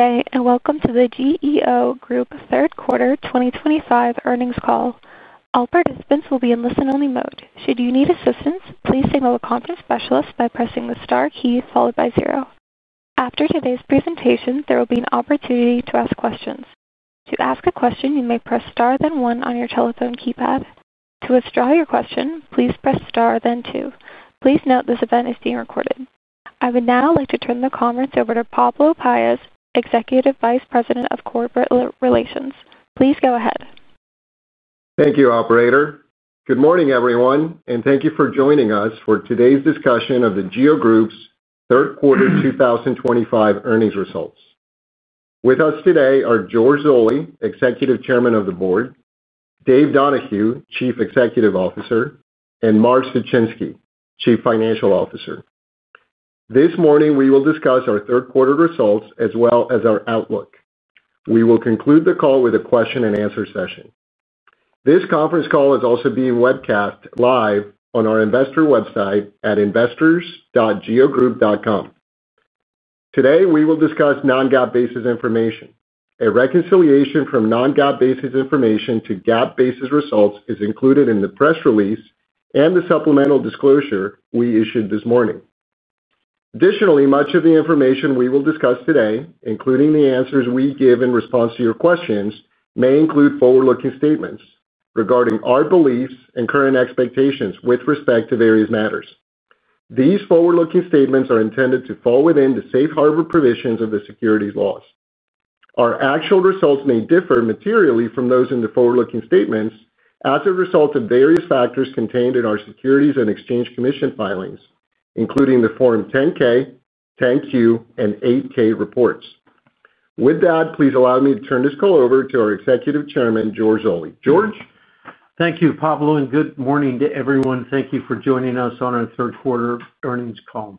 Good day and welcome to the GEO Group Third Quarter 2025 Earnings Call. All participants will be in listen-only mode. Should you need assistance, please signal a conference specialist by pressing the star key followed by zero. After today's presentation, there will be an opportunity to ask questions. To ask a question, you may press star then one on your telephone keypad. To withdraw your question, please press star then two. Please note this event is being recorded. I would now like to turn the conference over to Pablo Paez, Executive Vice President of Corporate Relations. Please go ahead. Thank you, Operator. Good morning, everyone, and thank you for joining us for today's discussion of The GEO Group's Third Quarter 2025 earnings results. With us today are George Zoley, Executive Chairman of the Board; Dave Donahue, Chief Executive Officer; and Mark Suchinski, Chief Financial Officer. This morning, we will discuss our third-quarter results as well as our outlook. We will conclude the call with a question-and-answer session. This conference call is also being webcast live on our investor website at investors.geogroup.com. Today, we will discuss non-GAAP basis information. A reconciliation from non-GAAP basis information to GAAP basis results is included in the press release and the supplemental disclosure we issued this morning. Additionally, much of the information we will discuss today, including the answers we give in response to your questions, may include forward-looking statements regarding our beliefs and current expectations with respect to various matters. These forward-looking statements are intended to fall within the safe harbor provisions of the securities laws. Our actual results may differ materially from those in the forward-looking statements as a result of various factors contained in our Securities and Exchange Commission filings, including the Form 10-K, 10-Q, and 8-K reports. With that, please allow me to turn this call over to our Executive Chairman, George Zoley. George. Thank you, Pablo, and good morning to everyone. Thank you for joining us on our Third Quarter Earnings Call.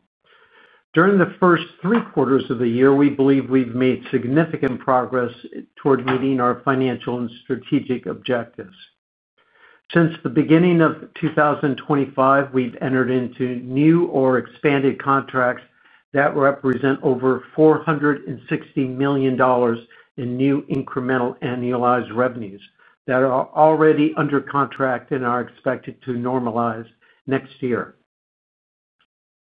During the first three quarters of the year, we believe we've made significant progress toward meeting our financial and strategic objectives. Since the beginning of 2025, we've entered into new or expanded contracts that represent over $460 million in new incremental annualized revenues that are already under contract and are expected to normalize next year.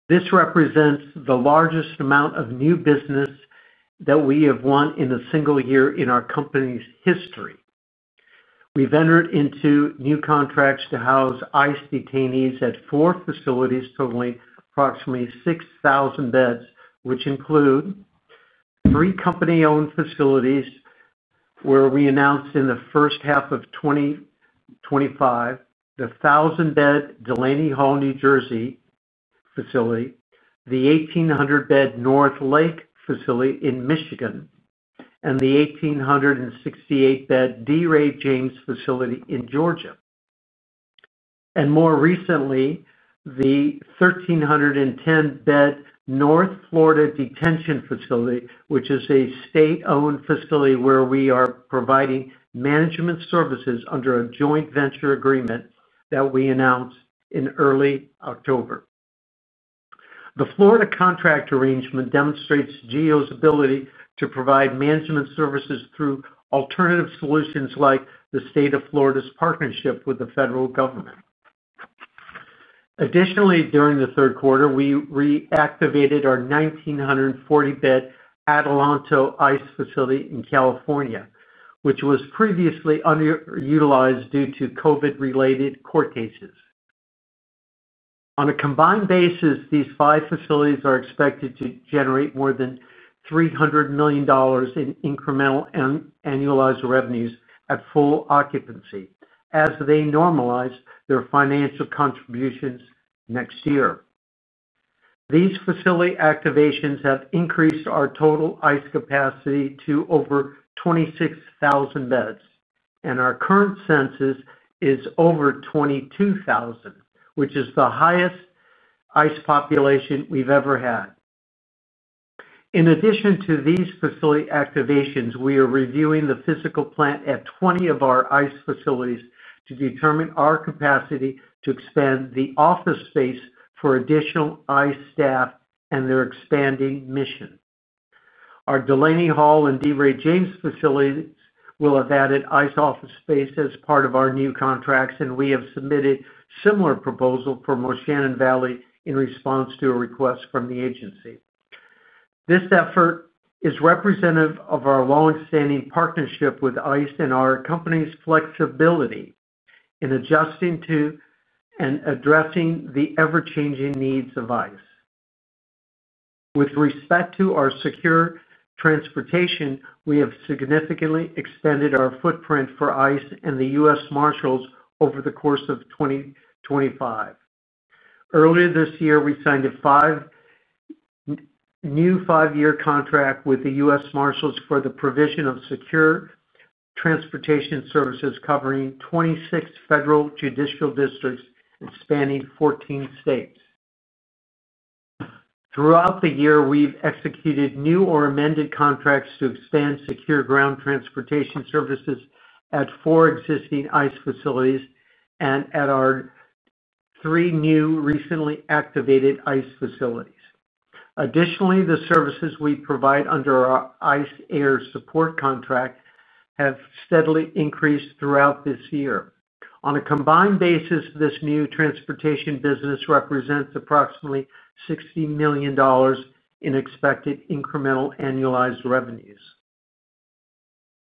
This represents the largest amount of new business that we have won in a single year in our company's history. We've entered into new contracts to house ICE detainees at four facilities, totaling approximately 6,000 beds, which include three company-owned facilities, where we announced in the first half of 2025 the 1,000-bed Delaney Hall, New Jersey facility, the 1,800-bed North Lake facility in Michigan, and the 1,868-bed D. Ray James facility in Georgia. More recently, the 1,310-bed North Florida Detention Facility, which is a state-owned facility where we are providing management services under a joint venture agreement that we announced in early October. The Florida contract arrangement demonstrates GEO's ability to provide management services through alternative solutions like the state of Florida's partnership with the federal government. Additionally, during the third quarter, we reactivated our 1,940-bed Adelanto ICE Facility in California, which was previously underutilized due to COVID-related court cases. On a combined basis, these five facilities are expected to generate more than $300 million in incremental annualized revenues at full occupancy, as they normalize their financial contributions next year. These facility activations have increased our total ICE capacity to over 26,000 beds, and our current census is over 22,000, which is the highest ICE population we've ever had. In addition to these facility activations, we are reviewing the physical plant at 20 of our ICE facilities to determine our capacity to expand the office space for additional ICE staff and their expanding mission. Our Delaney Hall and D. Ray James facilities will have added ICE office space as part of our new contracts, and we have submitted a similar proposal for Moore Shannon Valley in response to a request from the agency. This effort is representative of our longstanding partnership with ICE and our company's flexibility in adjusting to and addressing the ever-changing needs of ICE. With respect to our secure transportation, we have significantly extended our footprint for ICE and the U.S. Marshals over the course of 2025. Earlier this year, we signed a new five-year contract with the U.S. Marshals for the provision of secure transportation services covering 26 federal judicial districts and spanning 14 states. Throughout the year, we've executed new or amended contracts to expand secure ground transportation services at four existing ICE facilities and at our three new recently activated ICE facilities. Additionally, the services we provide under our ICE Air support contract have steadily increased throughout this year. On a combined basis, this new transportation business represents approximately $60 million in expected incremental annualized revenues.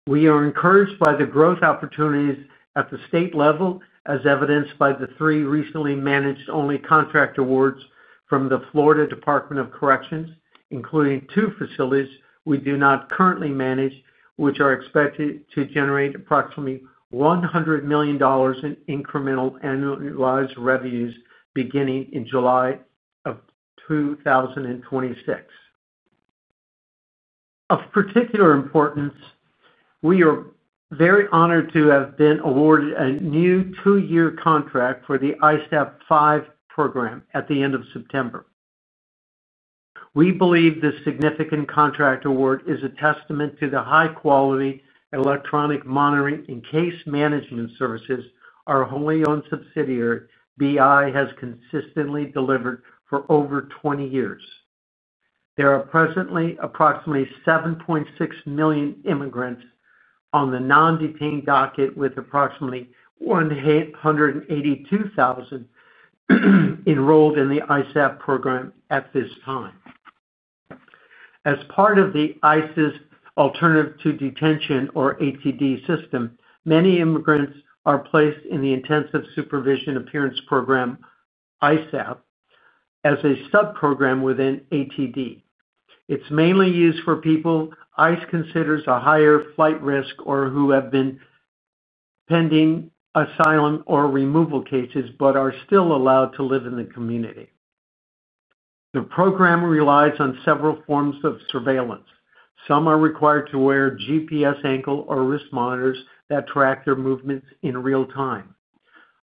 We are encouraged by the growth opportunities at the state level, as evidenced by the three recently managed-only contract awards from the Florida Department of Corrections, including two facilities we do not currently manage, which are expected to generate approximately $100 million in incremental annualized revenues beginning in July of 2026. Of particular importance, we are very honored to have been awarded a new two-year contract for the ICE ISAP 5 program at the end of September. We believe this significant contract award is a testament to the high-quality electronic monitoring and case management services our wholly-owned subsidiary, BI, has consistently delivered for over 20 years. There are presently approximately 7.6 million immigrants on the non-detained docket, with approximately 182,000 enrolled in the ISAP program at this time. As part of ICE's alternative to detention, or ATD system, many immigrants are placed in the Intensive Supervision Appearance Program, ISAP, as a subprogram within ATD. It's mainly used for people ICE considers a higher flight risk or who have been pending asylum or removal cases but are still allowed to live in the community. The program relies on several forms of surveillance. Some are required to wear GPS ankle or wrist monitors that track their movements in real time.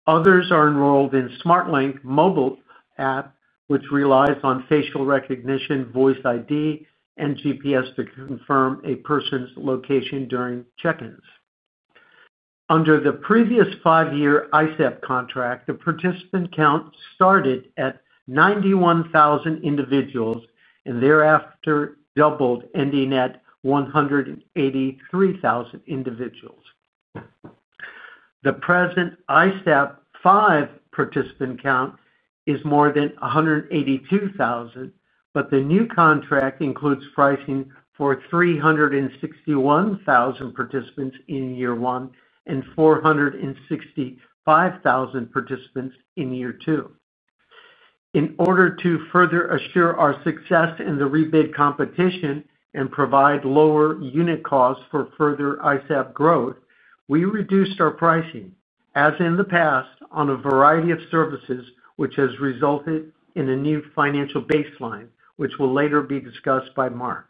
Others are enrolled in SmartLink mobile app, which relies on facial recognition, voice ID, and GPS to confirm a person's location during check-ins. Under the previous five-year ISAP contract, the participant count started at 91,000 individuals and thereafter doubled, ending at 183,000 individuals. The present ISAP 5 participant count is more than 182,000, but the new contract includes pricing for 361,000 participants in year one and 465,000 participants in year two. In order to further assure our success in the rebid competition and provide lower unit costs for further ISAP growth, we reduced our pricing, as in the past, on a variety of services, which has resulted in a new financial baseline, which will later be discussed by Mark.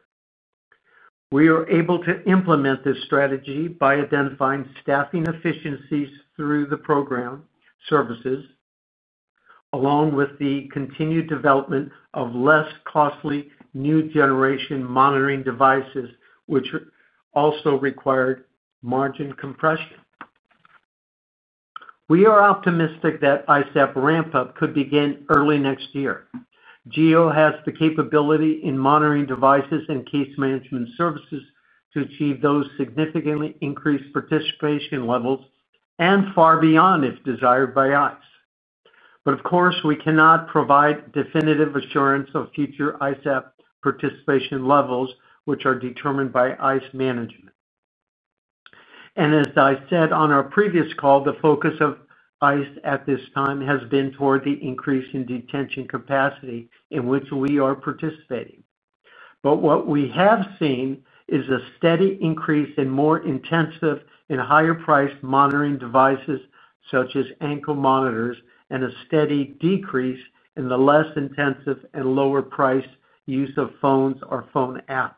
We are able to implement this strategy by identifying staffing efficiencies through the program services. Along with the continued development of less costly new generation monitoring devices, which also required margin compression. We are optimistic that ISAP ramp-up could begin early next year. GEO has the capability in monitoring devices and case management services to achieve those significantly increased participation levels and far beyond if desired by ICE. Of course, we cannot provide definitive assurance of future ISAP participation levels, which are determined by ICE management. As I said on our previous call, the focus of ICE at this time has been toward the increase in detention capacity in which we are participating. What we have seen is a steady increase in more intensive and higher-priced monitoring devices such as ankle monitors and a steady decrease in the less intensive and lower-priced use of phones or phone apps.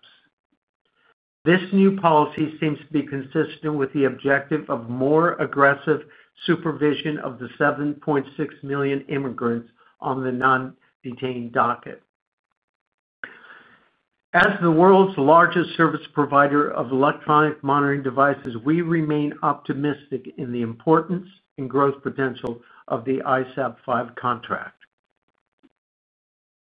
This new policy seems to be consistent with the objective of more aggressive supervision of the 7.6 million immigrants on the non-detained docket. As the world's largest service provider of electronic monitoring devices, we remain optimistic in the importance and growth potential of the ICE ISAP 5 contract.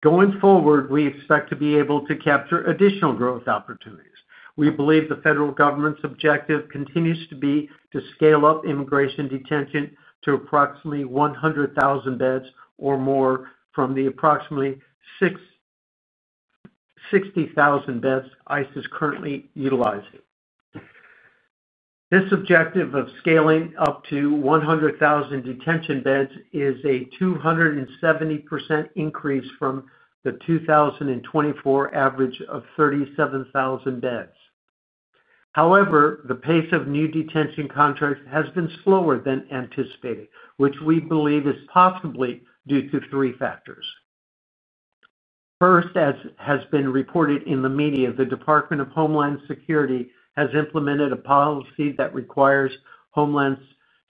Going forward, we expect to be able to capture additional growth opportunities. We believe the federal government's objective continues to be to scale up immigration detention to approximately 100,000 beds or more from the approximately 60,000 beds ICE is currently utilizing. This objective of scaling up to 100,000 detention beds is a 270% increase from the 2024 average of 37,000 beds. However, the pace of new detention contracts has been slower than anticipated, which we believe is possibly due to three factors. First, as has been reported in the media, the Department of Homeland Security has implemented a policy that requires Homeland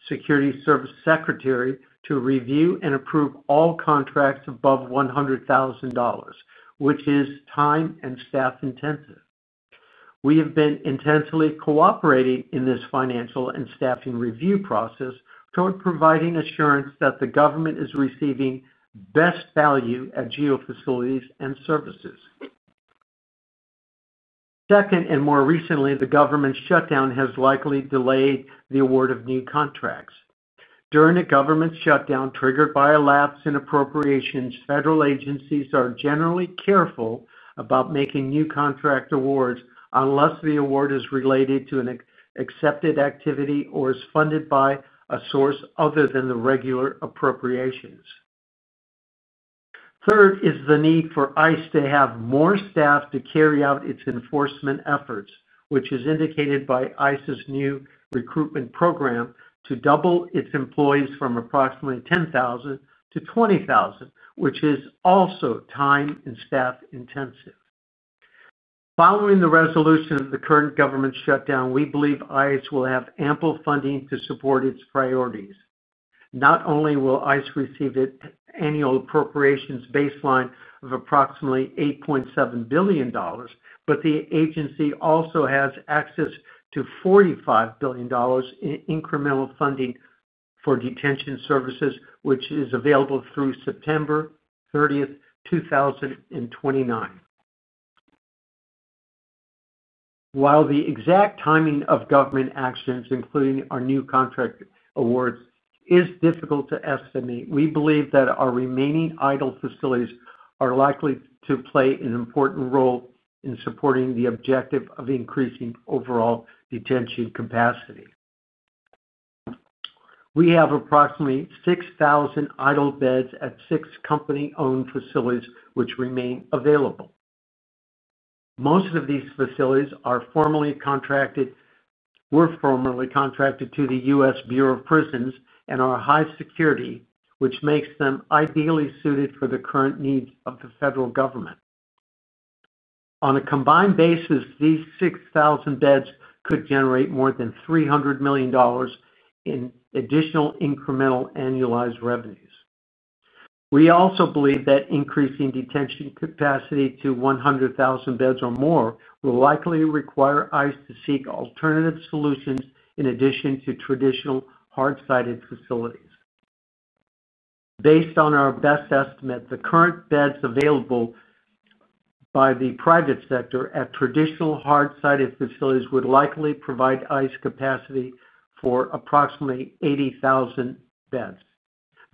Security Service Secretary to review and approve all contracts above $100,000, which is time and staff intensive. We have been intensely cooperating in this financial and staffing review process toward providing assurance that the government is receiving best value at GEO facilities and services. Second, and more recently, the government shutdown has likely delayed the award of new contracts. During a government shutdown triggered by a lapse in appropriations, federal agencies are generally careful about making new contract awards unless the award is related to an accepted activity or is funded by a source other than the regular appropriations. Third is the need for ICE to have more staff to carry out its enforcement efforts, which is indicated by ICE's new recruitment program to double its employees from approximately 10,000- 20,000, which is also time and staff intensive. Following the resolution of the current government shutdown, we believe ICE will have ample funding to support its priorities. Not only will ICE receive its annual appropriations baseline of approximately $8.7 billion, but the agency also has access to $45 billion in incremental funding for detention services, which is available through September 30, 2029. While the exact timing of government actions, including our new contract awards, is difficult to estimate, we believe that our remaining idle facilities are likely to play an important role in supporting the objective of increasing overall detention capacity. We have approximately 6,000 idle beds at six company-owned facilities which remain available. Most of these facilities are formally contracted to the U.S. Bureau of Prisons and are high security, which makes them ideally suited for the current needs of the federal government. On a combined basis, these 6,000 beds could generate more than $300 million in additional incremental annualized revenues. We also believe that increasing detention capacity to 100,000 beds or more will likely require ICE to seek alternative solutions in addition to traditional hard-sided facilities. Based on our best estimate, the current beds available by the private sector at traditional hard-sided facilities would likely provide ICE capacity for approximately 80,000 beds.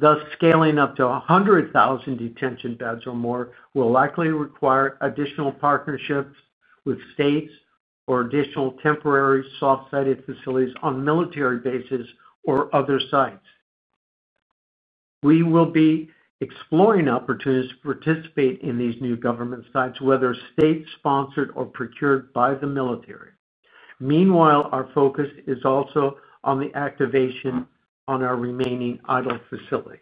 Thus, scaling up to 100,000 detention beds or more will likely require additional partnerships with states or additional temporary soft-sided facilities on military bases or other sites. We will be exploring opportunities to participate in these new government sites, whether state-sponsored or procured by the military. Meanwhile, our focus is also on the activation on our remaining idle facilities.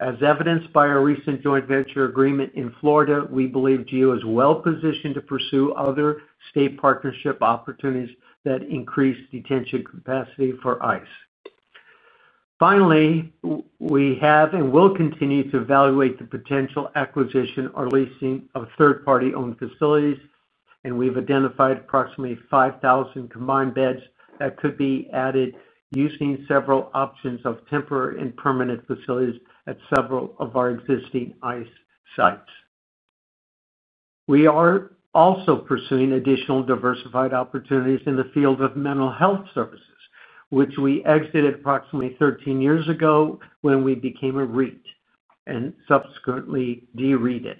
As evidenced by our recent joint venture agreement in Florida, we believe GEO is well positioned to pursue other state partnership opportunities that increase detention capacity for ICE. Finally, we have and will continue to evaluate the potential acquisition or leasing of third-party-owned facilities, and we've identified approximately 5,000 combined beds that could be added using several options of temporary and permanent facilities at several of our existing ICE sites. We are also pursuing additional diversified opportunities in the field of mental health services, which we exited approximately 13 years ago when we became a REIT and subsequently de-REITed.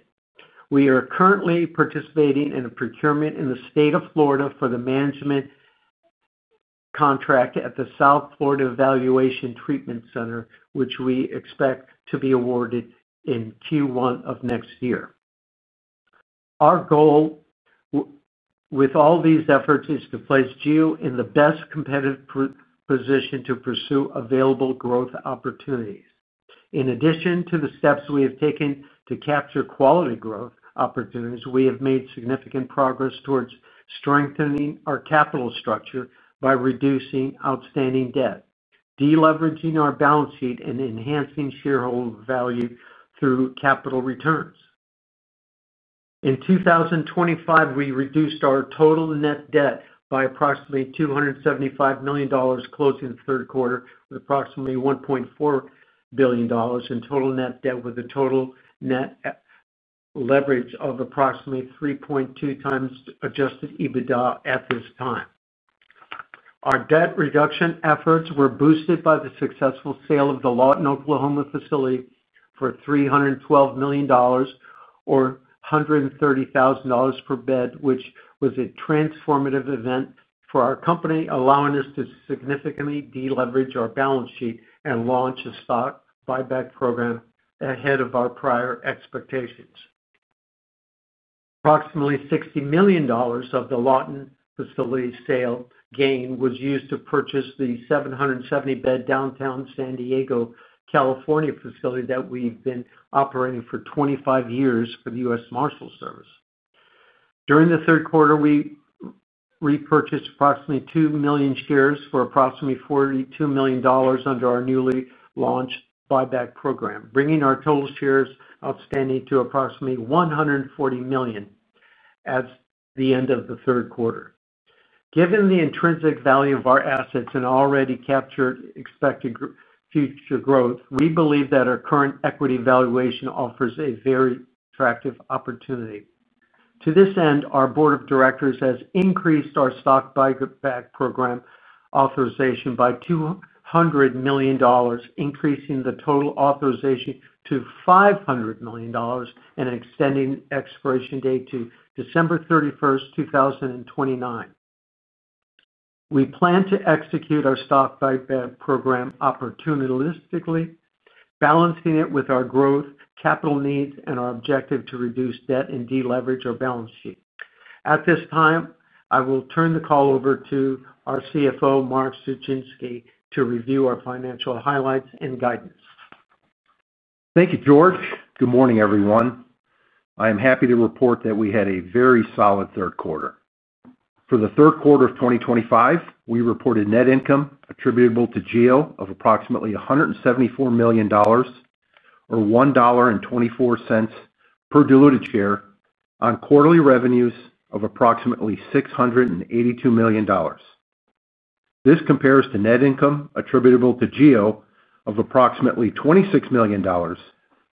We are currently participating in a procurement in the state of Florida for the management contract at the South Florida Evaluation and Treatment Center, which we expect to be awarded in Q1 of next year. Our goal with all these efforts, is to place GEO in the best competitive position to pursue available growth opportunities. In addition to the steps we have taken to capture quality growth opportunities, we have made significant progress towards strengthening our capital structure by reducing outstanding debt, deleveraging our balance sheet, and enhancing shareholder value through capital returns. In 2025, we reduced our total net debt by approximately $275 million, closing the third quarter with approximately $1.4 billion in total net debt, with a total net leverage of approximately 3.2x adjusted EBITDA at this time. Our debt reduction efforts were boosted by the successful sale of the Lawton, Oklahoma, facility for $312 million, or $130,000 per bed, which was a transformative event for our company, allowing us to significantly deleverage our balance sheet and launch a stock buyback program ahead of our prior expectations. Approximately $60 million of the Lawton facility sale gain was used to purchase the 770-bed downtown San Diego, California, facility that we've been operating for 25 years for the U.S. Marshals Service. During the third quarter, we repurchased approximately 2 million shares for approximately $42 million under our newly launched buyback program, bringing our total shares outstanding to approximately 140 million at the end of the third quarter. Given the intrinsic value of our assets and already captured expected future growth, we believe that our current equity valuation offers a very attractive opportunity. To this end, our Board of Directors has increased our stock buyback program authorization by $200 million, increasing the total authorization to $500 million and extending expiration date to December 31, 2029. We plan to execute our stock buyback program opportunistically, balancing it with our growth, capital needs, and our objective to reduce debt and deleverage our balance sheet. At this time, I will turn the call over to our CFO, Mark Suchinski, to review our financial highlights and guidance. Thank you, George. Good morning, everyone. I am happy to report that we had a very solid third quarter. For the third quarter of 2025, we reported net income attributable to GEO of approximately $174 million, or $1.24 per diluted share, on quarterly revenues of approximately $682 million. This compares to net income attributable to GEO of approximately $26 million, or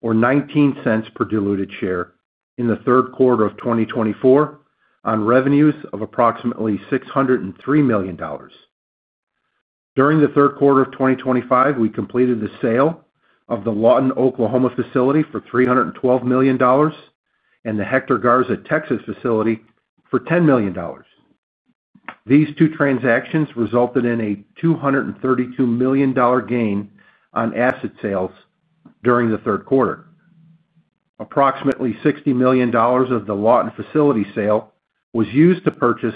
$0.19 per diluted share, in the third quarter of 2024, on revenues of approximately $603 million. During the third quarter of 2025, we completed the sale of the Lawton, Oklahoma, facility for $312 million. The Hector Garza, Texas, facility for $10 million. These two transactions resulted in a $232 million gain on asset sales during the third quarter. Approximately $60 million of the Lawton facility sale was used to purchase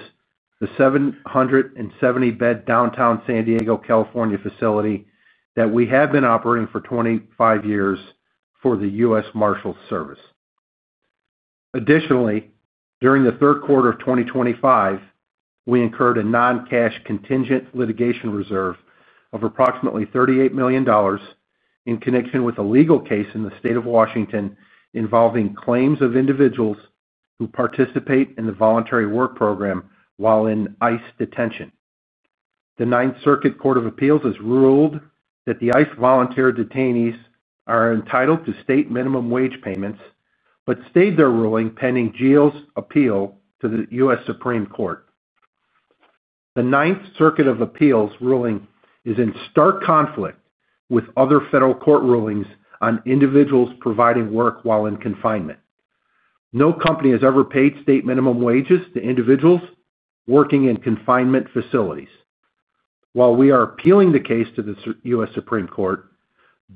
the 770-bed downtown San Diego, California, facility that we have been operating for 25 years for the U.S. Marshals Service. Additionally, during the third quarter of 2025, we incurred a non-cash contingent litigation reserve of approximately $38 million. In connection with a legal case in the state of Washington involving claims of individuals who participate in the voluntary work program while in ICE detention. The Ninth Circuit Court of Appeals has ruled that the ICE volunteer detainees are entitled to state minimum wage payments but stayed their ruling pending GEO's appeal to the U.S. Supreme Court. The Ninth Circuit of Appeals' ruling is in stark conflict with other federal court rulings on individuals providing work while in confinement. No company has ever paid state minimum wages to individuals working in confinement facilities. While we are appealing the case to the U.S. Supreme Court,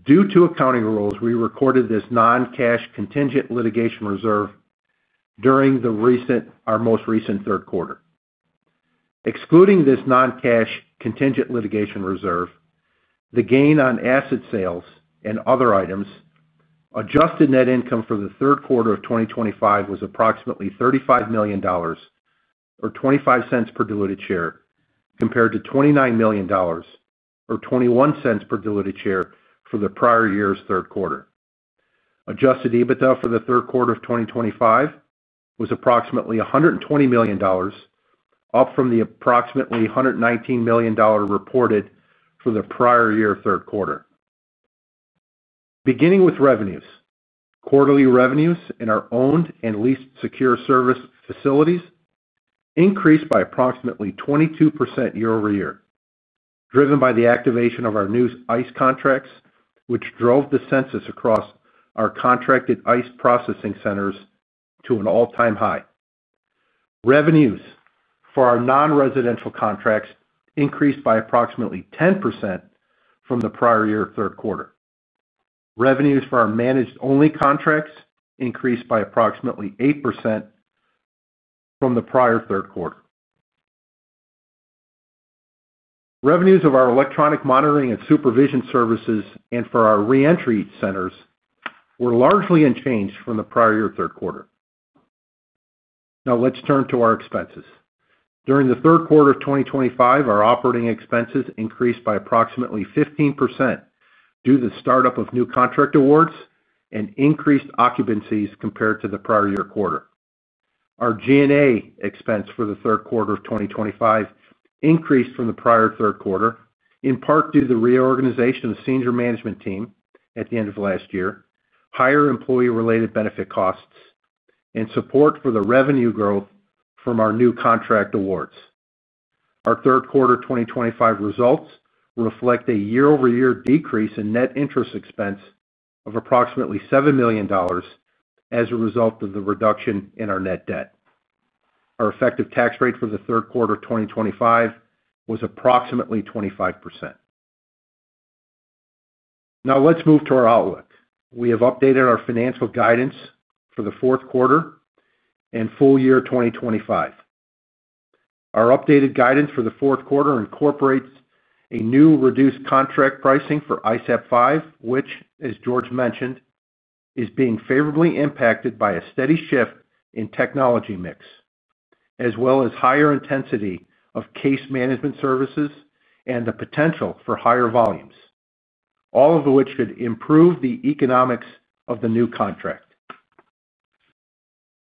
due to accounting rules, we recorded this non-cash contingent litigation reserve during our most recent third quarter. Excluding this non-cash contingent litigation reserve, the gain on asset sales and other items, adjusted net income for the third quarter of 2025 was approximately $35 million, or $0.25 per diluted share, compared to $29 million, or $0.21 per diluted share for the prior year's third quarter. Adjusted EBITDA for the third quarter of 2025 was approximately $120 million, up from the approximately $119 million reported for the prior year third quarter. Beginning with revenues, quarterly revenues in our owned and leased secure service facilities increased by approximately 22% year-over-year, driven by the activation of our new ICE contracts, which drove the census across our contracted ICE processing centers to an all-time high. Revenues for our non-residential contracts increased by approximately 10% from the prior year third quarter. Revenues for our managed-only contracts increased by approximately 8% from the prior third quarter. Revenues of our electronic monitoring and supervision services and for our re-entry centers were largely unchanged from the prior year third quarter. Now, let's turn to our expenses. During the third quarter of 2025, our operating expenses increased by approximately 15% due to the startup of new contract awards and increased occupancies compared to the prior year quarter. Our G&A expense for the third quarter of 2025 increased from the prior third quarter, in part due to the reorganization of the senior management team at the end of last year, higher employee-related benefit costs, and support for the revenue growth from our new contract awards. Our third quarter 2025 results reflect a year-over-year decrease in net interest expense of approximately $7 million. As a result of the reduction in our net debt. Our effective tax rate for the third quarter 2025 was approximately 25%. Now, let's move to our outlook. We have updated our financial guidance for the fourth quarter and full year 2025. Our updated guidance for the fourth quarter incorporates a new reduced contract pricing for ISAP 5, which, as George mentioned, is being favorably impacted by a steady shift in technology mix, as well as higher intensity of case management services and the potential for higher volumes, all of which could improve the economics of the new contract.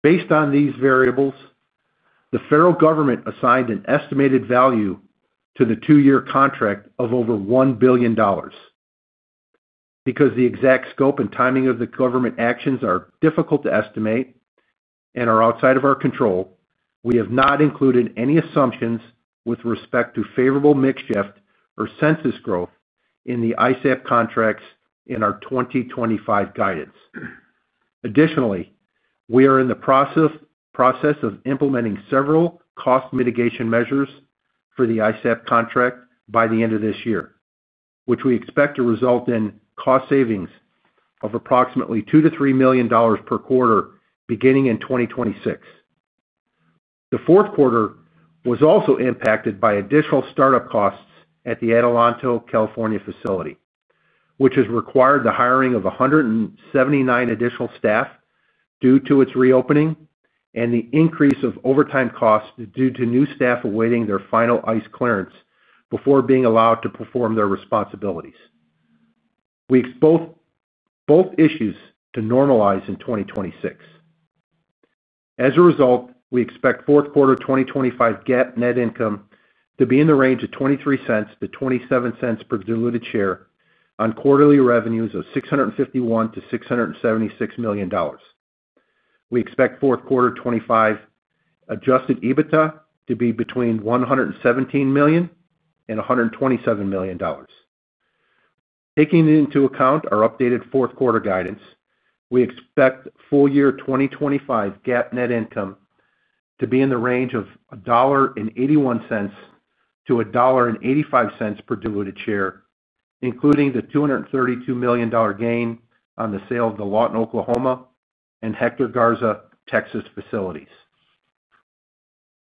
Based on these variables, the federal government assigned an estimated value to the two-year contract of over $1 billion. Because the exact scope and timing of the government actions are difficult to estimate and are outside of our control, we have not included any assumptions with respect to favorable mix shift or census growth in the ISAP contracts in our 2025 guidance. Additionally, we are in the process.f implementing several cost mitigation measures for the ICEP contract by the end of this year, which we expect to result in cost savings of approximately $2 million-$3 million per quarter beginning in 2026. The fourth quarter was also impacted by additional startup costs at the Adelanto, California, facility, which has required the hiring of 179 additional staff due to its reopening and the increase of overtime costs due to new staff awaiting their final ICE clearance before being allowed to perform their responsibilities. We expect both issues to normalize in 2026. As a result, we expect fourth quarter 2025 GAAP net income to be in the range of $0.23-$0.27 per diluted share on quarterly revenues of $651 million-$676 million. We expect fourth quarter 2025 adjusted EBITDA to be between $117 million and $127 million. Taking into account our updated fourth quarter guidance, we expect full year 2025 GAAP net income to be in the range of $1.81-$1.85 per diluted share, including the $232 million gain on the sale of the Lawton, Oklahoma, and Hector Garza, Texas, facilities.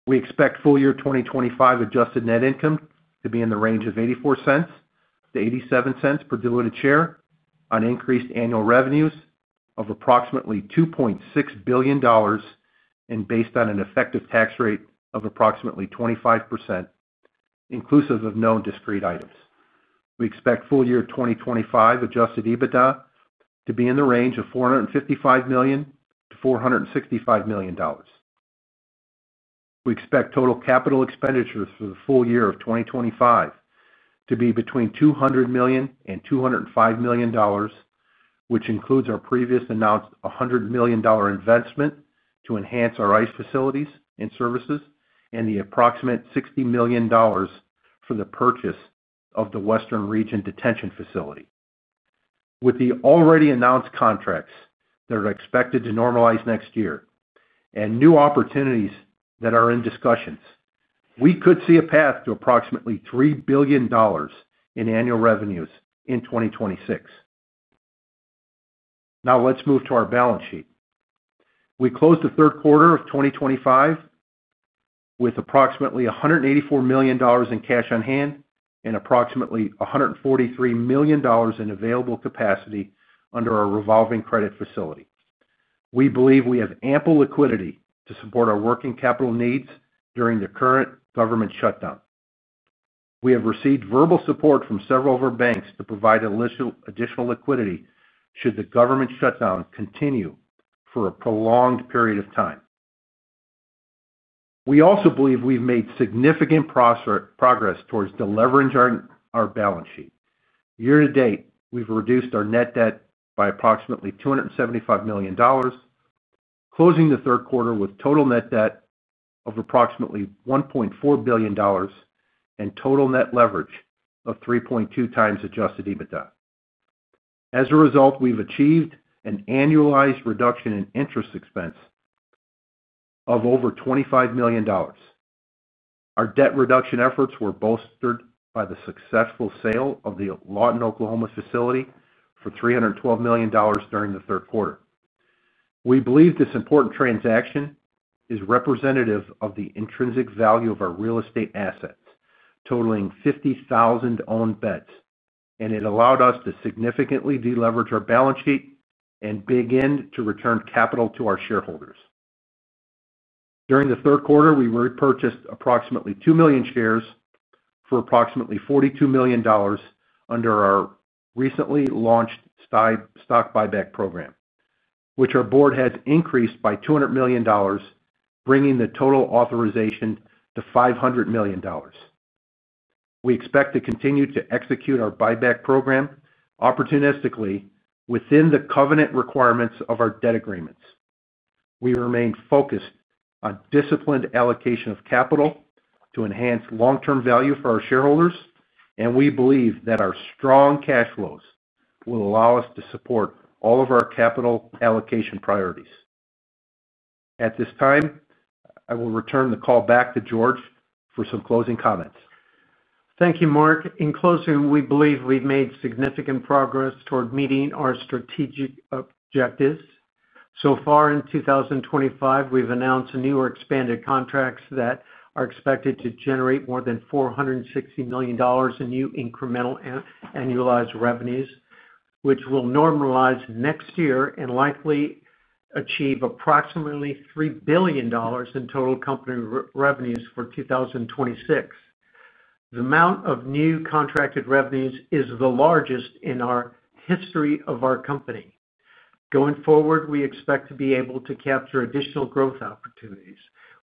We expect full year 2025 adjusted net income to be in the range of $0.84-$0.87 per diluted share on increased annual revenues of approximately $2.6 billion, and based on an effective tax rate of approximately 25%, inclusive of known discrete items. We expect full year 2025 adjusted EBITDA to be in the range of $455 million-$465 million. We expect total capital expenditures for the full year of 2025 to be between $200 million and $205 million, which includes our previously announced $100 million investment to enhance our ICE facilities and services and the approximate $60 million. For the purchase of the Western Region Detention Facility. With the already announced contracts that are expected to normalize next year and new opportunities that are in discussions, we could see a path to approximately $3 billion in annual revenues in 2026. Now, let's move to our balance sheet. We closed the third quarter of 2025 with approximately $184 million in cash on hand and approximately $143 million in available capacity under our revolving credit facility. We believe we have ample liquidity to support our working capital needs during the current government shutdown. We have received verbal support from several of our banks to provide additional liquidity should the government shutdown continue for a prolonged period of time. We also believe we've made significant progress towards delevering our balance sheet. Year to date, we've reduced our net debt by approximately $275 million. Closing the third quarter with total net debt of approximately $1.4 billion. Total net leverage of 3.2x adjusted EBITDA. As a result, we've achieved an annualized reduction in interest expense of over $25 million. Our debt reduction efforts were bolstered by the successful sale of the Lawton, Oklahoma, facility for $312 million during the third quarter. We believe this important transaction is representative of the intrinsic value of our real estate assets, totaling 50,000 owned beds, and it allowed us to significantly deleverage our balance sheet and begin to return capital to our shareholders. During the third quarter, we repurchased approximately 2 million shares for approximately $42 million under our recently launched stock buyback program, which our board has increased by $200 million, bringing the total authorization to $500 million. We expect to continue to execute our buyback program opportunistically within the covenant requirements of our debt agreements. We remain focused on disciplined allocation of capital to enhance long-term value for our shareholders, and we believe that our strong cash flows will allow us to support all of our capital allocation priorities. At this time, I will return the call back to George for some closing comments. Thank you, Mark. In closing, we believe we've made significant progress toward meeting our strategic objectives. So far in 2025, we've announced new or expanded contracts that are expected to generate more than $460 million in new incremental annualized revenues, which will normalize next year and likely achieve approximately $3 billion in total company revenues for 2026. The amount of new contracted revenues is the largest in the history of our company. Going forward, we expect to be able to capture additional growth opportunities.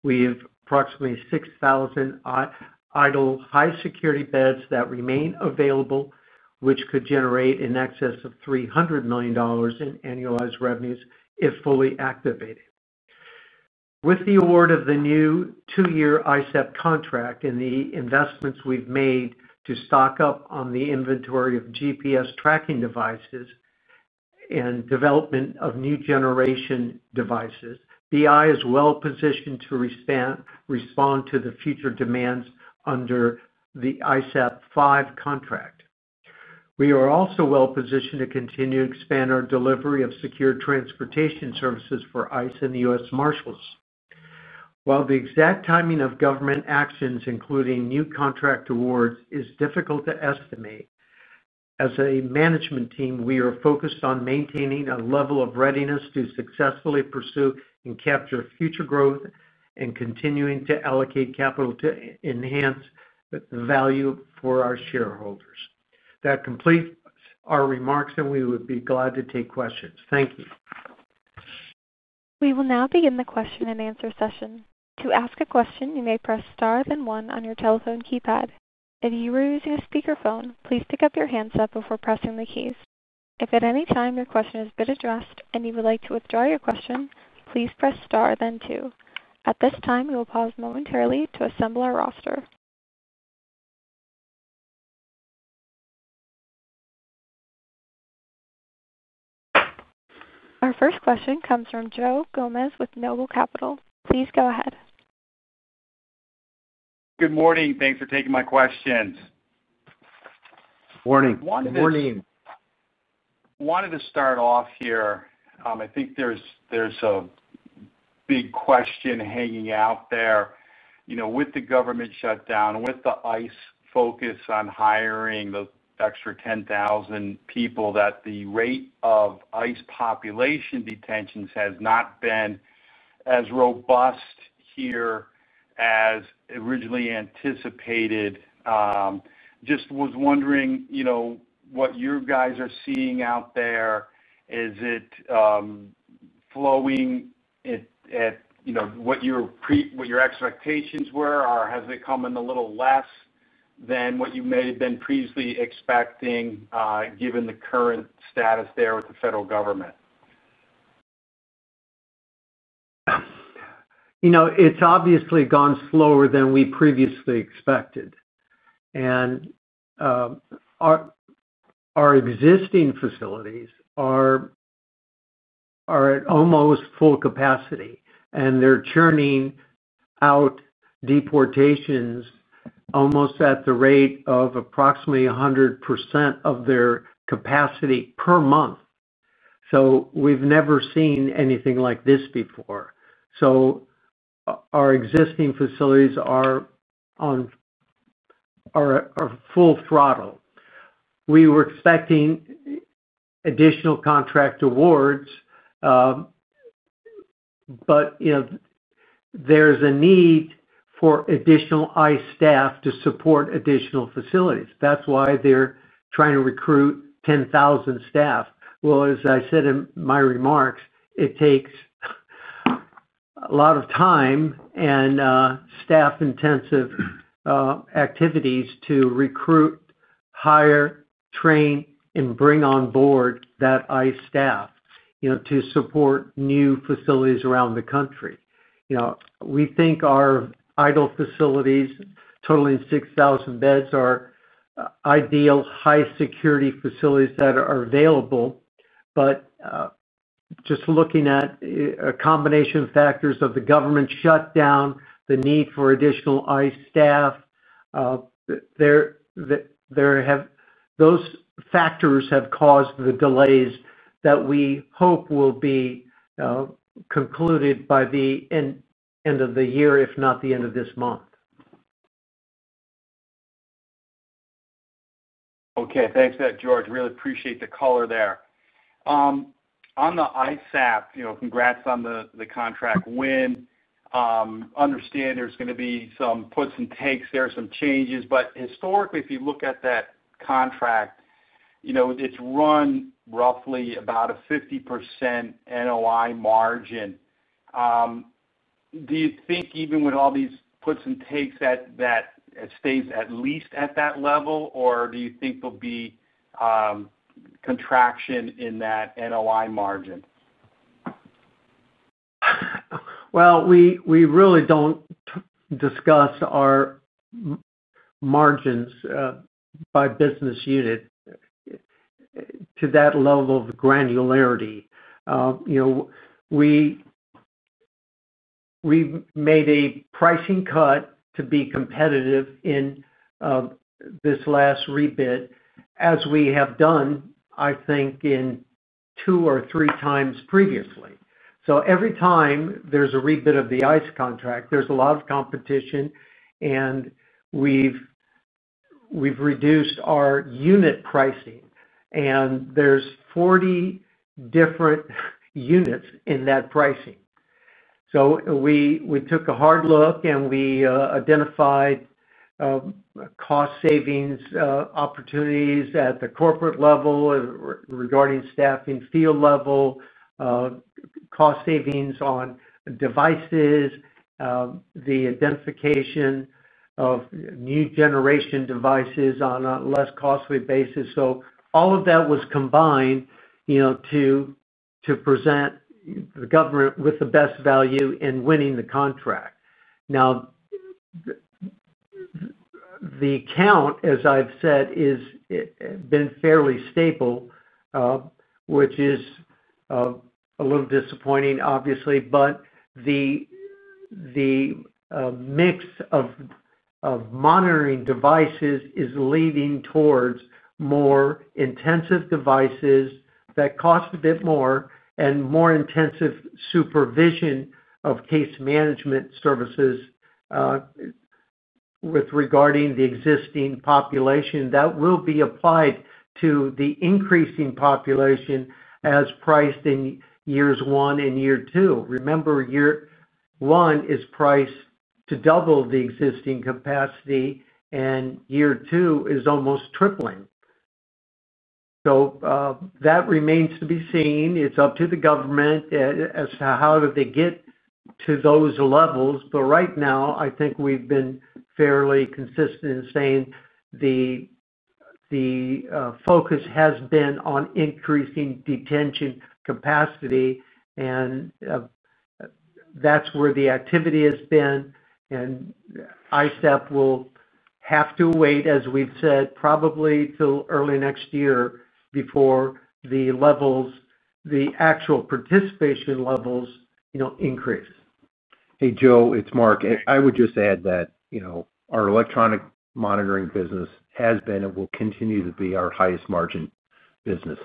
We have approximately 6,000 idle high-security beds that remain available, which could generate in excess of $300 million in annualized revenues if fully activated. With the award of the new two-year ICEP contract and the investments we've made to stock up on the inventory of GPS tracking devices, and development of new generation devices, BI is well positioned to respond to the future demands under the ICEP 5 contract. We are also well positioned to continue to expand our delivery of secure transportation services for ICE and the U.S. Marshals. While the exact timing of government actions, including new contract awards, is difficult to estimate, as a management team, we are focused on maintaining a level of readiness to successfully pursue and capture future growth and continuing to allocate capital to enhance the value for our shareholders. That completes our remarks, and we would be glad to take questions. Thank you. We will now begin the question and answer session. To ask a question, you may press star then one on your telephone keypad. If you are using a speakerphone, please pick up your handset before pressing the keys. If at any time your question has been addressed and you would like to withdraw your question, please press star then two. At this time, we will pause momentarily to assemble our roster. Our first question comes from Joe Gomez with Noble Capital Markets. Please go ahead. Good morning. Thanks for taking my questions. Morning. Morning. I wanted to start off here. I think there's a big question hanging out there. With the government shutdown, with the ICE focus on hiring those extra 10,000 people, the rate of ICE population detentions has not been as robust here as originally anticipated. Just was wondering what you guys are seeing out there, is it flowing. At what your expectations were, or has it come in a little less than what you may have been previously expecting given the current status there with the federal government? It's obviously gone slower than we previously expected. Our existing facilities are at almost full capacity, and they're churning out deportations almost at the rate of approximately 100% of their capacity per month. We've never seen anything like this before. Our existing facilities are full throttle. We were expecting additional contract awards. There's a need for additional ICE staff to support additional facilities. That's why they're trying to recruit 10,000 staff. As I said in my remarks, it takes a lot of time and staff-intensive activities to recruit, hire, train, and bring on board that ICE staff to support new facilities around the country. We think our idle facilities, totaling 6,000 beds, are ideal high-security facilities that are available. Just looking at a combination of factors of the government shutdown, the need for additional ICE staff. Those factors have caused the delays that we hope will be concluded by the end of the year, if not the end of this month. Okay. Thanks for that, George. Really appreciate the color there. On the ISAP, congrats on the contract win. Understand there's going to be some puts and takes there, some changes. But historically, if you look at that contract, it's run roughly about a 50% NOI margin. Do you think even with all these puts and takes it stays at least at that level, or do you think there'll be contraction in that NOI margin? We really don't discuss our margins by business unit to that level of granularity. We made a pricing cut to be competitive in this last rebid, as we have done, I think, in two or three times previously. Every time there's a rebid of the ICE contract, there's a lot of competition, and we've reduced our unit pricing. There are 40 different units in that pricing. We took a hard look, and we identified cost savings opportunities at the corporate level regarding staffing, field level cost savings on devices, the identification of new generation devices on a less costly basis. All of that was combined to present the government with the best value in winning the contract. Now, the count, as I've said, has been fairly stable, which is a little disappointing, obviously. The mix of monitoring devices is leaning towards more intensive devices that cost a bit more and more intensive supervision of case management services. With regarding the existing population that will be applied to the increasing population as priced in years one and year two. Remember, year one is priced to double the existing capacity, and year two is almost tripling. That remains to be seen. It's up to the government as to how do they get to those levels. Right now, I think we've been fairly consistent in saying the focus has been on increasing detention capacity. That's where the activity has been. ISAP will have to wait, as we've said, probably till early next year before the actual participation levels increase. Hey, Joe, it's Mark. I would just add that our electronic monitoring business has been and will continue to be our highest margin business.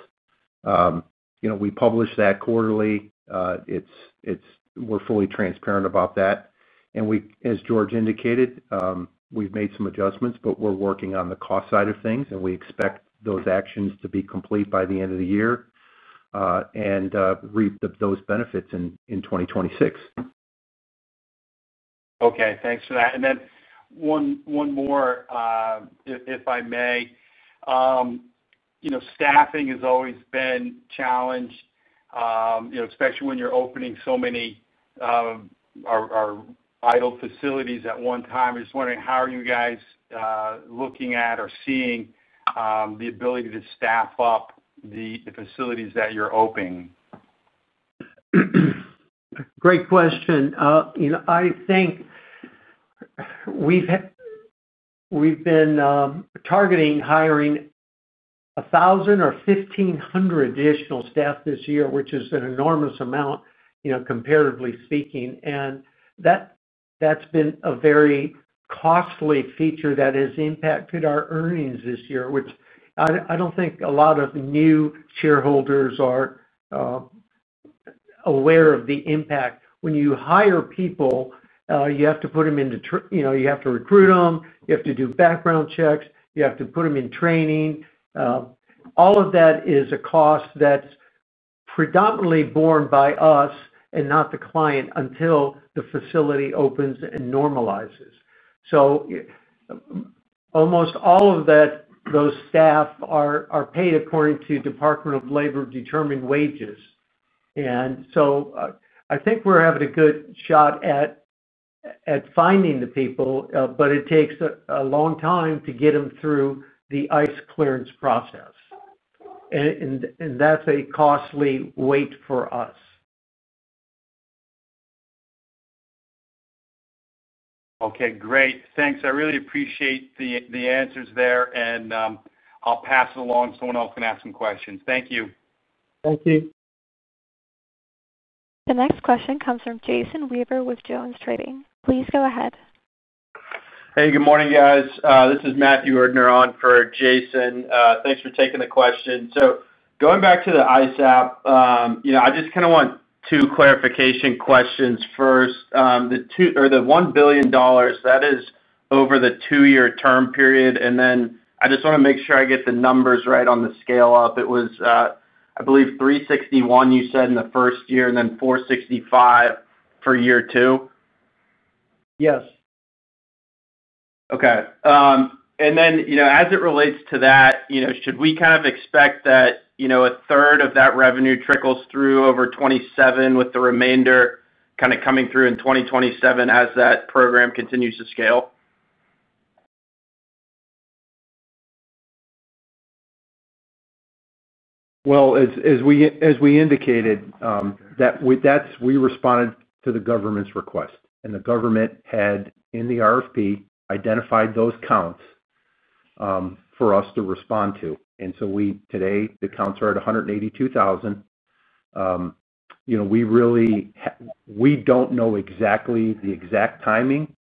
We publish that quarterly. We're fully transparent about that. As George indicated, we've made some adjustments, but we're working on the cost side of things, and we expect those actions to be complete by the end of the year. We expect to reap those benefits in 2026. Okay. Thanks for that. One more, if I may. Staffing has always been a challenge, especially when you're opening so many idle facilities at one time. I was just wondering, how are you guys looking at or seeing the ability to staff up the facilities that you're opening? Great question. I think we've been targeting hiring 1,000 or 1,500 additional staff this year, which is an enormous amount comparatively speaking. That's been a very costly feature that has impacted our earnings this year, which I don't think a lot of new shareholders are aware of the impact. When you hire people, you have to put them into—you have to recruit them. You have to do background checks. You have to put them in training. All of that is a cost that's predominantly borne by us and not the client until the facility opens and normalizes. Almost all of those staff are paid according to Department of Labor-determined wages. I think we're having a good shot at finding the people, but it takes a long time to get them through the ICE clearance process. That's a costly wait for us. Okay. Great. Thanks. I really appreciate the answers there, and I'll pass it along so someone else can ask some questions. Thank you. Thank you. The next question comes from Jason Weaver with JonesTrading. Please go ahead. Hey, good morning, guys. This is Matthew Erdner on for Jason. Thanks for taking the question. Going back to the ISAP, I just kind of want two clarification questions first. The $1 billion, that is over the two-year term period. I just want to make sure I get the numbers right on the scale-up. It was, I believe, 361, you said, in the first year and then 465 for year two. Yes. Okay. As it relates to that, should we kind of expect that a third of that revenue trickles through over 2027, with the remainder kind of coming through in 2027 as that program continues to scale? As we indicated, we responded to the government's request, and the government had, in the RFP, identified those counts for us to respond to. Today, the counts are at 182,000. We do not know exactly the exact timing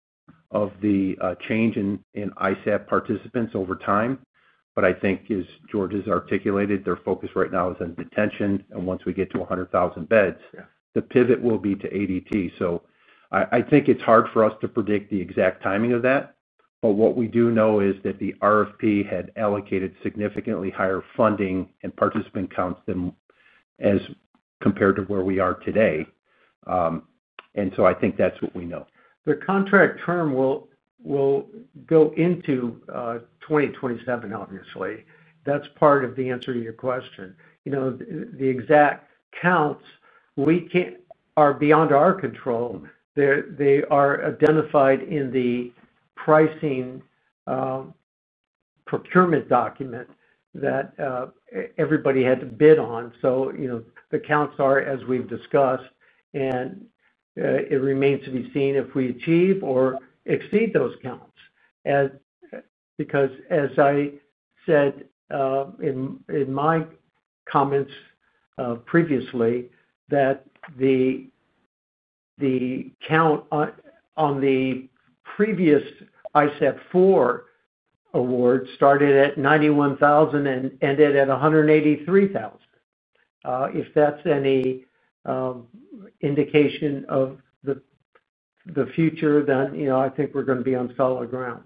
of the change in ISAP participants over time, but I think, as George has articulated, their focus right now is on detention. Once we get to 100,000 beds, the pivot will be to ATD. I think it is hard for us to predict the exact timing of that. What we do know is that the RFP had allocated significantly higher funding and participant counts as compared to where we are today. I think that is what we know. The contract term will go into 2027, obviously. That is part of the answer to your question. The exact counts are beyond our control. They are identified in the pricing procurement document that everybody had to bid on. The counts are, as we have discussed, and it remains to be seen if we achieve or exceed those counts, because, as I said in my comments previously, that the count on the previous ICE ISAP 4 awards started at 91,000 and ended at 183,000. If that's any indication of the future, then I think we're going to be on solid ground.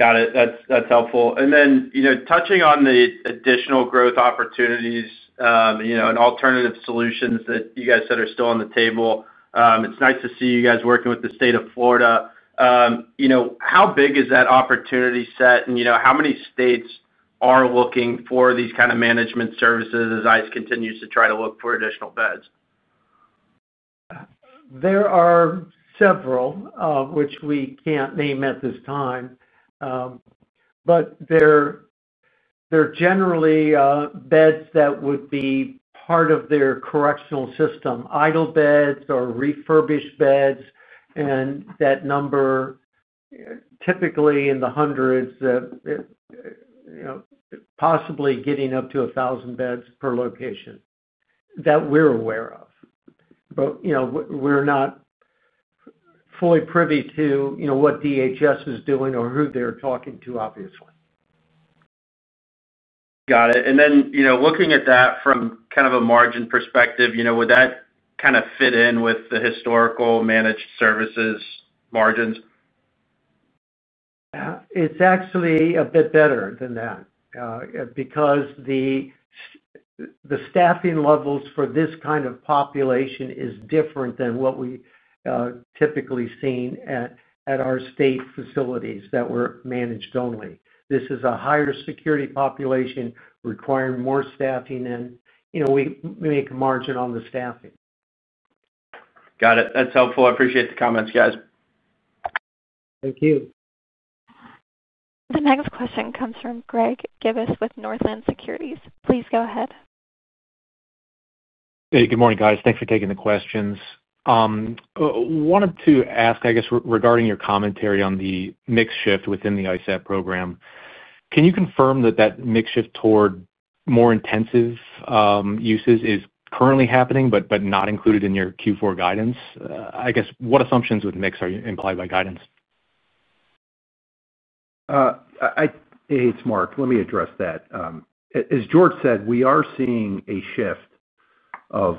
Got it. That's helpful. Touching on the additional growth opportunities and alternative solutions that you guys said are still on the table, it's nice to see you guys working with the state of Florida. How big is that opportunity set, and how many states are looking for these kinds of management services as ICE continues to try to look for additional beds? There are several, which we can't name at this time. They're generally beds that would be part of their correctional system: idle beds or refurbished beds. That number is typically in the hundreds, possibly getting up to 1,000 beds per location that we're aware of. We're not fully privy to what DHS is doing or who they're talking to, obviously. Got it. And then looking at that from kind of a margin perspective, would that kind of fit in with the historical managed services margins? It's actually a bit better than that. Because the staffing levels for this kind of population are different than what we've typically seen at our state facilities that were managed only. This is a higher security population requiring more staffing, and we make a margin on the staffing. Got it. That's helpful. I appreciate the comments, guys. Thank you. The next question comes from Greg Gibas with Northland Securities. Please go ahead. Hey, good morning, guys. Thanks for taking the questions. I wanted to ask, I guess, regarding your commentary on the mix shift within the ISAP program. Can you confirm that that mix shift toward more intensive uses is currently happening but not included in your Q4 guidance? I guess, what assumptions with mix are implied by guidance? Hey, it's Mark. Let me address that. As George said, we are seeing a shift of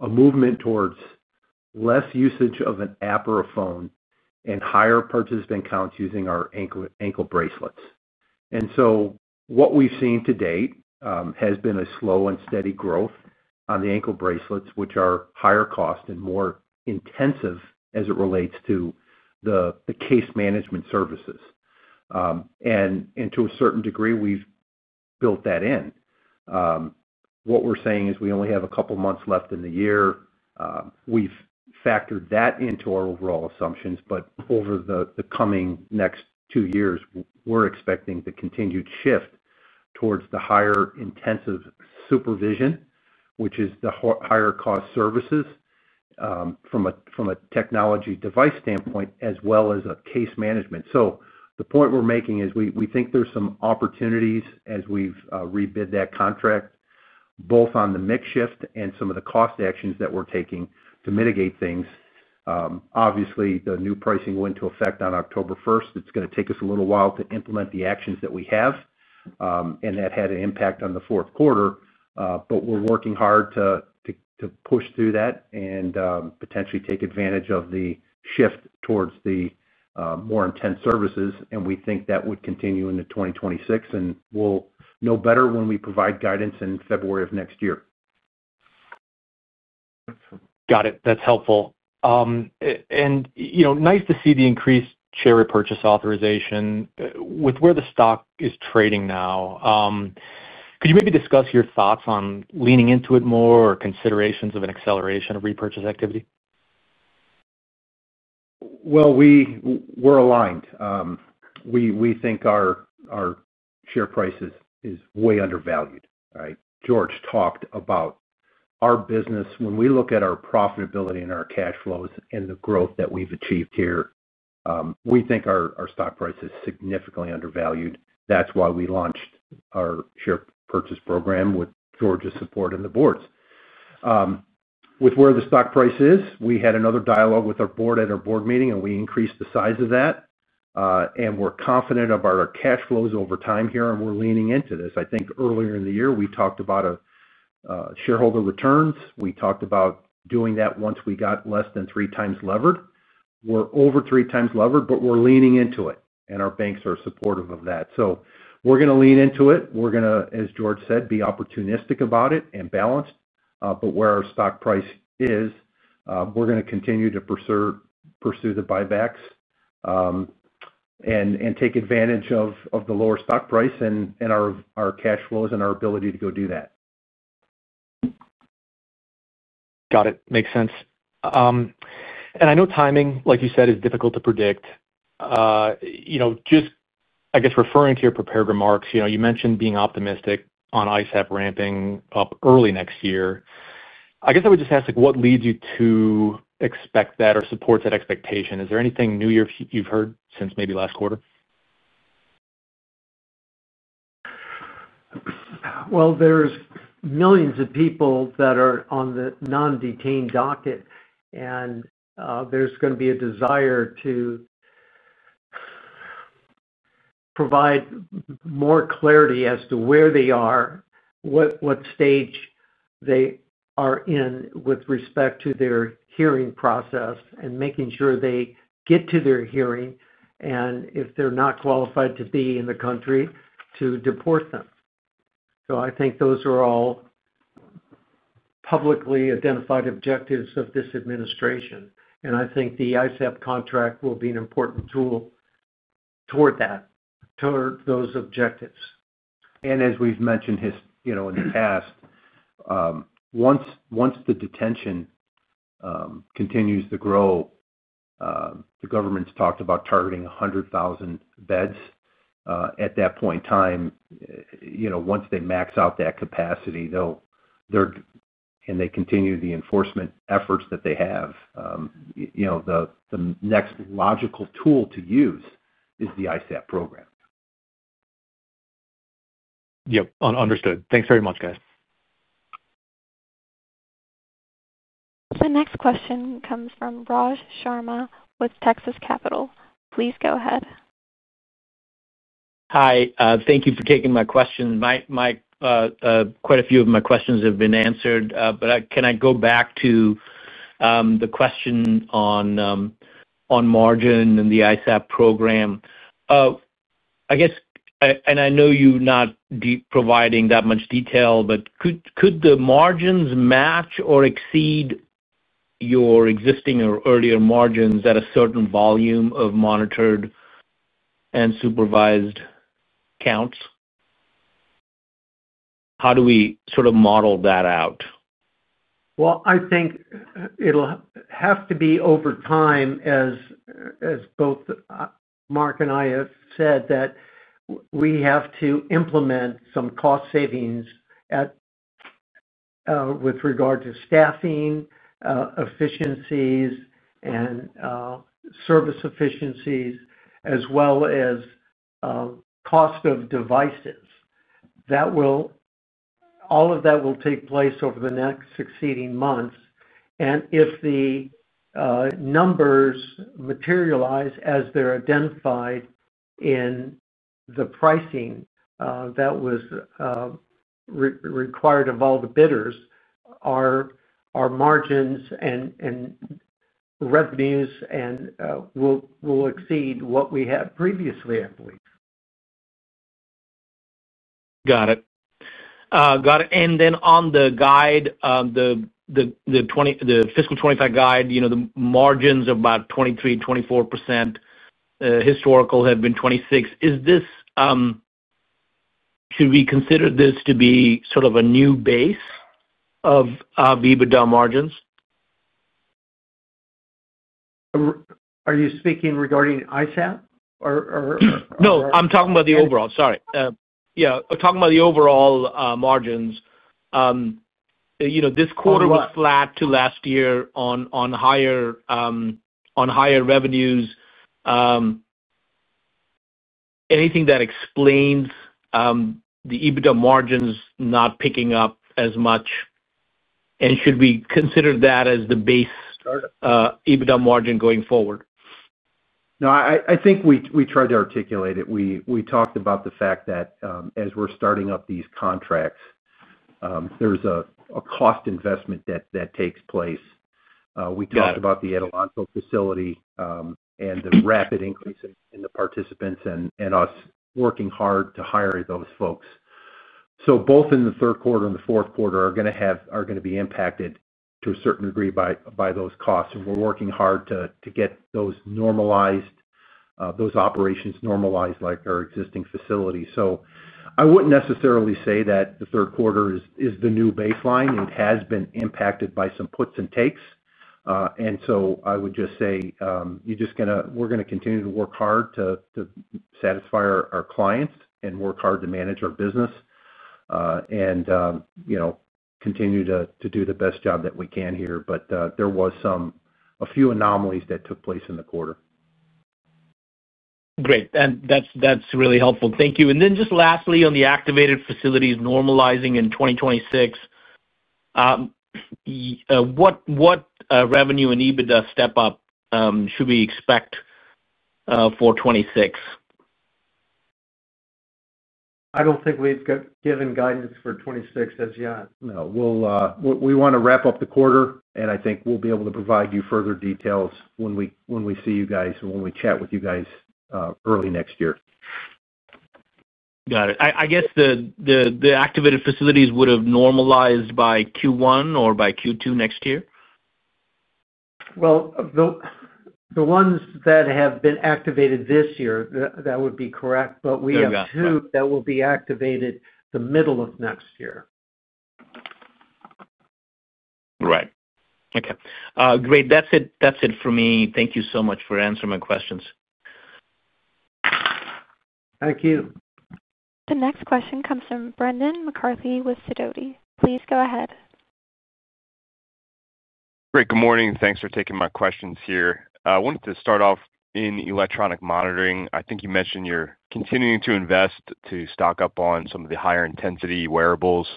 a movement towards less usage of an app or a phone and higher participant counts using our ankle bracelets. What we've seen to date has been a slow and steady growth on the ankle bracelets, which are higher cost and more intensive as it relates to the case management services. To a certain degree, we've built that in. What we're saying is we only have a couple of months left in the year. We've factored that into our overall assumptions. Over the coming next two years, we're expecting the continued shift towards the higher intensive supervision, which is the higher cost services. From a technology device standpoint, as well as case management. The point we're making is we think there's some opportunities as we've rebid that contract, both on the mix shift and some of the cost actions that we're taking to mitigate things. Obviously, the new pricing went into effect on October 1. It's going to take us a little while to implement the actions that we have. That had an impact on the fourth quarter. We're working hard to push through that and potentially take advantage of the shift towards the more intense services. We think that would continue into 2026. We'll know better when we provide guidance in February of next year. Got it. That's helpful. Nice to see the increased share repurchase authorization. With where the stock is trading now, could you maybe discuss your thoughts on leaning into it more or considerations of an acceleration of repurchase activity? We are aligned. We think our share price is way undervalued, right? George talked about our business. When we look at our profitability and our cash flows and the growth that we have achieved here, we think our stock price is significantly undervalued. That is why we launched our share purchase program with George's support and the board's. With where the stock price is, we had another dialogue with our board at our board meeting, and we increased the size of that. We are confident of our cash flows over time here, and we are leaning into this. I think earlier in the year, we talked about shareholder returns. We talked about doing that once we got less than three times levered. We're over three times levered, but we're leaning into it, and our banks are supportive of that. We're going to lean into it. We're going to, as George said, be opportunistic about it and balanced. Where our stock price is, we're going to continue to pursue the buybacks. Take advantage of the lower stock price and our cash flows and our ability to go do that. Got it. Makes sense. I know timing, like you said, is difficult to predict. Just, I guess, referring to your prepared remarks, you mentioned being optimistic on ISAP ramping up early next year. I guess I would just ask, what leads you to expect that or support that expectation? Is there anything new you've heard since maybe last quarter? There are millions of people that are on the non-detained docket, and there's going to be a desire to provide more clarity as to where they are, what stage they are in with respect to their hearing process, and making sure they get to their hearing. If they're not qualified to be in the country, to deport them. I think those are all publicly identified objectives of this administration. I think the ISAP contract will be an important tool toward that, toward those objectives. As we've mentioned in the past, once the detention continues to grow, the government's talked about targeting 100,000 beds. At that point in time, once they max out that capacity and they continue the enforcement efforts that they have, the next logical tool to use is the ISAP program. Yep. Understood. Thanks very much, guys. The next question comes from Raj Sharma with Texas Capital. Please go ahead. Hi. Thank you for taking my question. Quite a few of my questions have been answered. Can I go back to the question on margin and the ISAP program? I guess, and I know you're not providing that much detail, but could the margins match or exceed your existing or earlier margins at a certain volume of monitored and supervised counts? How do we sort of model that out? I think it'll have to be over time, as both Mark and I have said, that we have to implement some cost savings with regard to staffing efficiencies, and service efficiencies, as well as cost of devices. All of that will take place over the next succeeding months. If the numbers materialize as they're identified in the pricing that was required of all the bidders. Our margins and revenues will exceed what we had previously, I believe. Got it. Got it. On the guide, the fiscal 2025 guide, the margins of about 23%-24%. Historically have been 26%. Should we consider this to be sort of a new base of EBITDA margins? Are you speaking regarding ISAP or? No, I am talking about the overall. Sorry. Yeah. Talking about the overall margins. This quarter was flat to last year on higher revenues. Anything that explains the EBITDA margins not picking up as much? Should we consider that as the base EBITDA margin going forward? No, I think we tried to articulate it. We talked about the fact that as we are starting up these contracts, there is a cost investment that takes place. We talked about the Adelanto facility and the rapid increase in the participants and us working hard to hire those folks. Both in the third quarter and the fourth quarter are going to be impacted to a certain degree by those costs. We are working hard to get those operations normalized like our existing facility. I would not necessarily say that the third quarter is the new baseline. It has been impacted by some puts and takes. I would just say we are going to continue to work hard to satisfy our clients and work hard to manage our business. We will continue to do the best job that we can here. There were a few anomalies that took place in the quarter. Great. That is really helpful. Thank you. Just lastly, on the activated facilities normalizing in 2026. What revenue and EBITDA step-up should we expect. For 2026? I don't think we've given guidance for 2026 as yet. No. We want to wrap up the quarter, and I think we'll be able to provide you further details when we see you guys and when we chat with you guys early next year. Got it. I guess the activated facilities would have normalized by Q1 or by Q2 next year? The ones that have been activated this year, that would be correct. But we have two that will be activated the middle of next year. Right. Okay. Great. That's it for me. Thank you so much for answering my questions. Thank you. The next question comes from Brendan McCarthy with Sidoti. Please go ahead. Great. Good morning. Thanks for taking my questions here. I wanted to start off in electronic monitoring. I think you mentioned you're continuing to invest to stock up on some of the higher intensity wearables.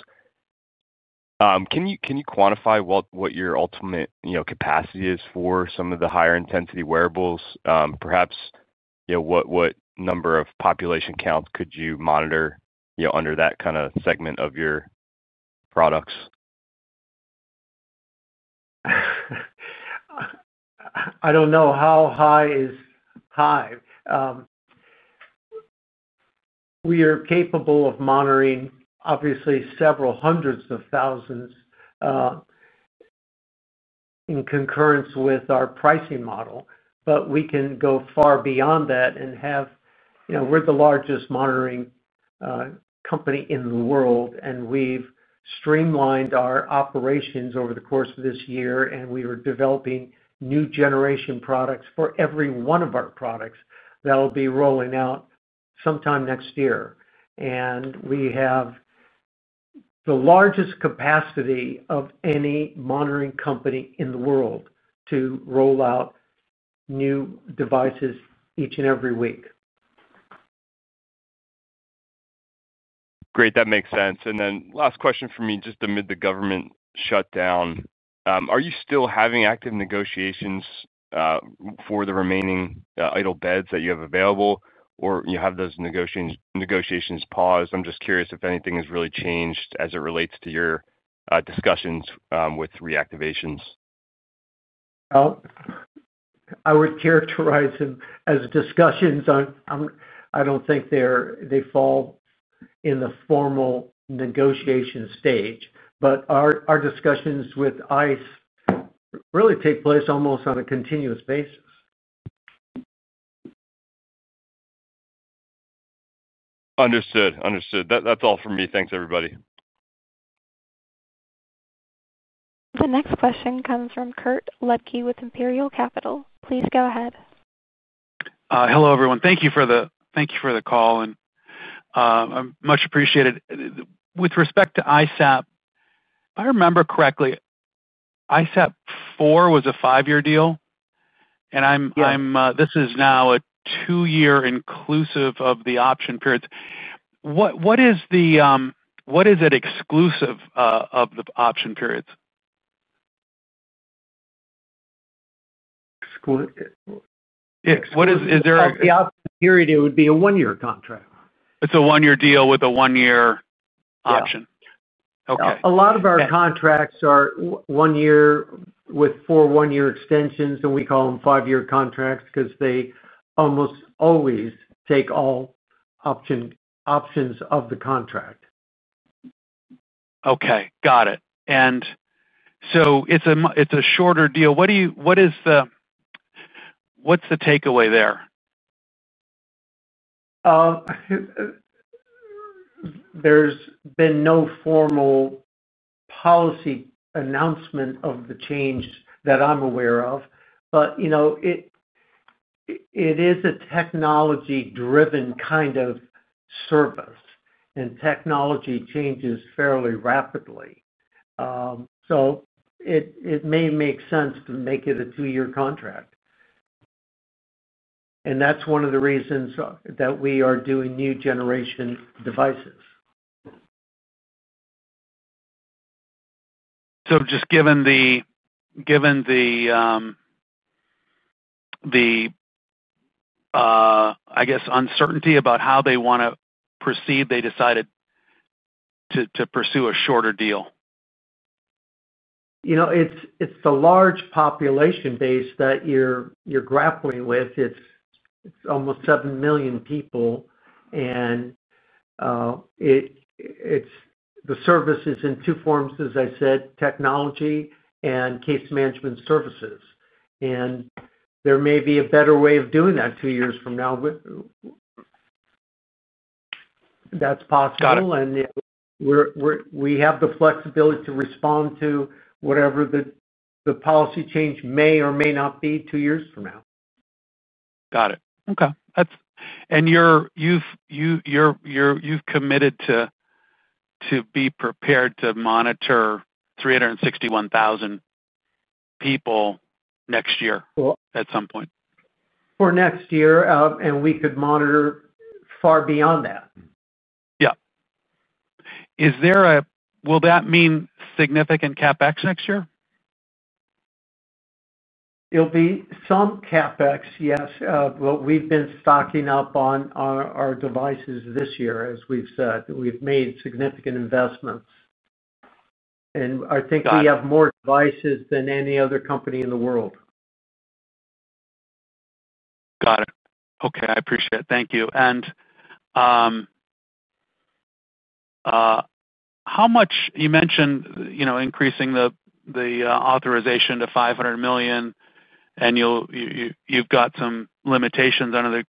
Can you quantify what your ultimate capacity is for some of the higher intensity wearables? Perhaps. What number of population counts could you monitor under that kind of segment of your products? I don't know how high is high. We are capable of monitoring, obviously, several hundreds of thousands. In concurrence with our pricing model. We can go far beyond that and have—we're the largest monitoring company in the world. We have streamlined our operations over the course of this year. We are developing new generation products for every one of our products that'll be rolling out sometime next year. We have the largest capacity of any monitoring company in the world to roll out new devices each and every week. Great. That makes sense. And then last question for me, just amid the government shutdown. Are you still having active negotiations for the remaining idle beds that you have available, or have those negotiations paused? I'm just curious if anything has really changed as it relates to your discussions with reactivations. I would characterize them as discussions. I don't think they fall in the formal negotiation stage. But our discussions with ICE really take place almost on a continuous basis. Understood. Understood. That's all for me. Thanks, everybody. The next question comes from Kurt Ludtke with Imperial Capital. Please go ahead. Hello, everyone. Thank you for the—thank you for the call. I'm much appreciated. With respect to ISAP, if I remember correctly, ISAP 4 was a five-year deal, and this is now a two-year inclusive of the option periods. What is it exclusive of the option periods? Yeah. Is there a— The option period, it would be a one-year contract. It's a one-year deal with a one-year option. Yeah. A lot of our contracts are one-year with four one-year extensions. We call them five-year contracts because they almost always take all options of the contract. Okay. Got it. And. So it's a shorter deal. What's the takeaway there? There's been no formal policy announcement of the change that I'm aware of. But. It is a technology-driven kind of service. And technology changes fairly rapidly. It may make sense to make it a two-year contract. That's one of the reasons that we are doing new generation devices. Just given the, I guess, uncertainty about how they want to proceed, they decided to pursue a shorter deal? It's the large population base that you're grappling with. It's almost 7 million people. And the service is in two forms, as I said, technology and case management services. There may be a better way of doing that two years from now. That's possible. We have the flexibility to respond to whatever the policy change may or may not be two years from now. Got it. Okay. You've committed to be prepared to monitor 361,000 people next year at some point? For next year. We could monitor far beyond that. Yeah. Will that mean significant CapEx next year? It'll be some CapEx, yes. We've been stocking up on our devices this year, as we've said. We've made significant investments. I think we have more devices than any other company in the world. Got it. Okay. I appreciate it. Thank you. You mentioned increasing the authorization to $500 million. You've got some limitations under the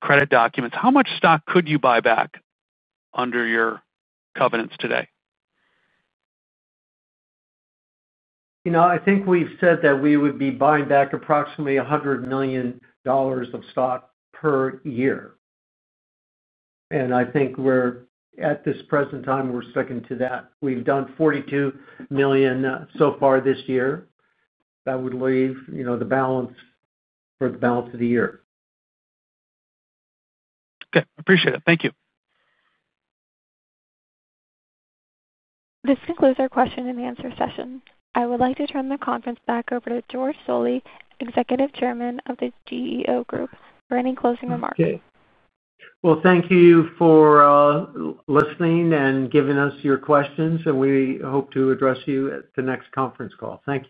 credit documents. How much stock could you buy back under your covenants today? I think we've said that we would be buying back approximately $100 million of stock per year. I think at this present time, we're sticking to that. We've done $42 million so far this year. That would leave the balance for the balance of the year. Okay. Appreciate it. Thank you. This concludes our question and answer session. I would like to turn the conference back over to George Zoley, Executive Chairman of The GEO Group, for any closing remarks. Thank you for listening and giving us your questions. We hope to address you at the next conference call. Thank you.